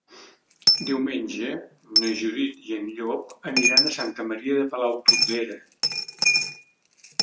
Diumenge na Judit i en Llop aniran a Santa Maria de Palautordera.